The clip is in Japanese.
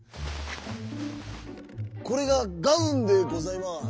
「これがガウンでございます」。